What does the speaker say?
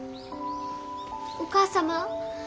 お母様。